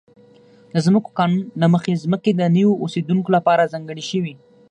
د ځمکو قانون له مخې ځمکې د نویو اوسېدونکو لپاره ځانګړې شوې.